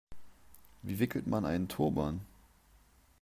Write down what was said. Wie wickelt man einen Turban?